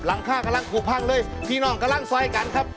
ข้างกำลังกูพังเลยพี่น้องกำลังซอยกันครับ